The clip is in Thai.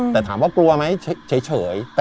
แต่ถามว่ากลัวไหมเฉย